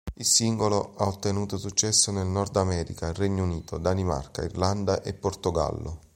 Il singolo ha ottenuto successo nel Nord America, Regno Unito, Danimarca, Irlanda e Portogallo.